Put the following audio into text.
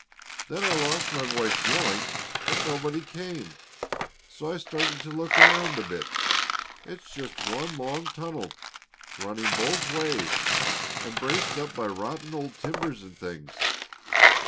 Then I lost my voice yelling, but nobody came, so I started to look around a bit. It's just one long tunnel, running both ways and braced up by rotten old timbers and things.